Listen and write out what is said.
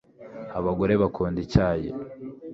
Abagore bakunda icyayi